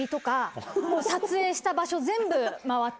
撮影した場所全部回って。